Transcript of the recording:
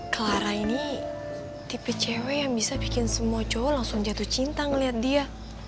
clara ini tipe cw yang bisa bikin semua cowok langsung jatuh cinta melihat dia